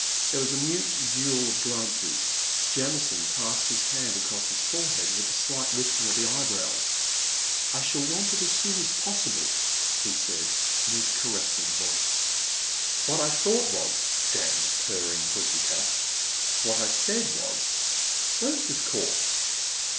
There was a mute duel of glances. Jamison passed his hand across his forehead with a slight lifting of the eyebrows. *' I shall want it as soon as possible, he said in his caressing voice. 325 326 A Pleasant Evening. What I thought was, *' Damned purring pussy cat !" What I said was, Where is this corpse?